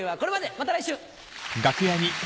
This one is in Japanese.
また来週！